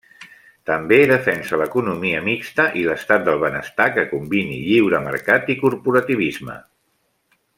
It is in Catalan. També defensa l'economia mixta i l'estat del benestar que combini lliure mercat i corporativisme.